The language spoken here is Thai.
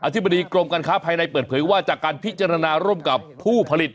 ธิบดีกรมการค้าภายในเปิดเผยว่าจากการพิจารณาร่วมกับผู้ผลิต